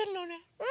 うん。